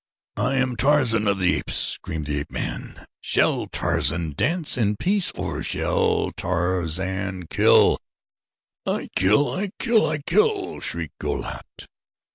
"I am Tarzan of the Apes!" screamed the ape man. "Shall Tarzan dance in peace or shall Tarzan kill?'' "I kill! I kill! I kill!" shrieked Go lat.